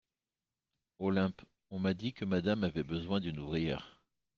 Olympe On m'a dit que Madame avait besoin d'une ouvrière.